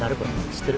知ってる？